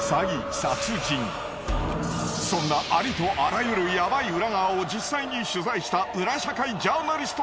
そんなありとあらゆるヤバい裏側を実際に取材した。